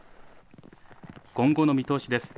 今後の見通しです。